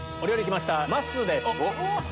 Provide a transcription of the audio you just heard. まっすーです。